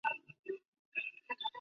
利用可信平台模块形式。